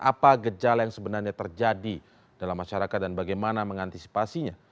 apa gejala yang sebenarnya terjadi dalam masyarakat dan bagaimana mengantisipasinya